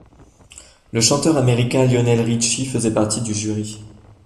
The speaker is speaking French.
Le chanteur américain Lionel Ritchie faisait partie du jury.